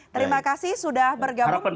terima kasih sudah bergaul bersama